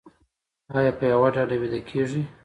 ایا په یوه ډډه ویده کیږئ؟